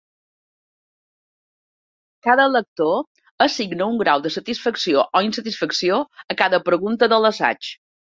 Cada lector assigna un grau de Satisfacció o Insatisfacció a cada pregunta de l"assaig.